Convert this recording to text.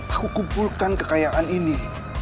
aku kumpulkan kekayaan ini